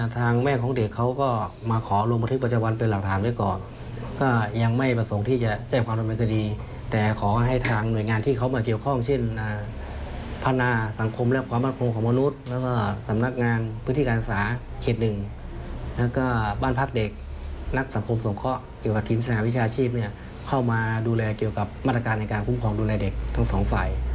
ถ้าหากกรณีมีเกิดขึ้นอีกครั้งหนึ่ง